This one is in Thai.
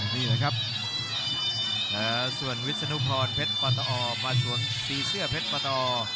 นี่แหละครับส่วนวิศนุพรเพชรปอตออร์ส่วนสี่เสื้อเพชรปอตออร์